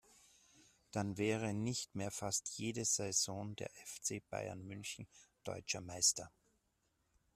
Dann wäre nicht mehr fast jede Saison der FC Bayern München deutscher Meister.